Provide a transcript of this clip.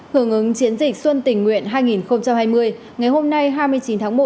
hưởng ứng chiến dịch xuân tình nguyện hai nghìn hai mươi ngày hôm nay hai mươi chín tháng một